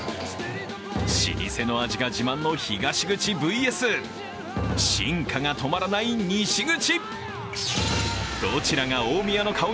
老舗の味が自慢の東口ＶＳ進化が止まらない西口。